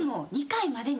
２回まで？